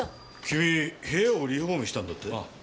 君部屋をリフォームしたんだってな。